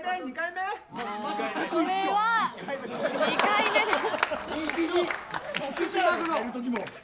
これは２回目です。